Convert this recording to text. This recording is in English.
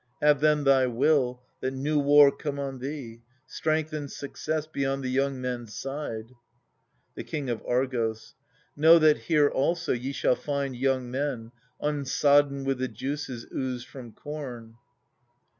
Have then thy will, that new war come on thee. Strength and success be on the young men's side !• The King of Argos. Know that here also ye shall find young men, Unsodden with the juices oozed from corn.